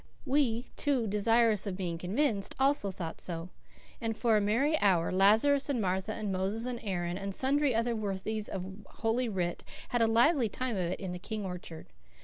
We, too desirous of being convinced, also thought so; and for a merry hour Lazarus and Martha and Moses and Aaron and sundry other worthies of Holy Writ had a lively time of it in the King orchard.